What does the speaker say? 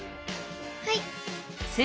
はい。